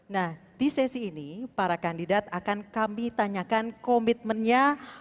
nah di sesi ini para kandidat akan kami tanyakan komitmennya